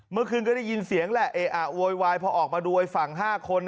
เมื่อคืนก็ได้ยินเสียงแหละเออะโวยวายพอออกมาดูไอ้ฝั่ง๕คน